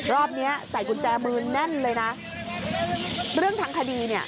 รอบเนี้ยใส่กุญแจมือแน่นเลยนะเรื่องทางคดีเนี่ย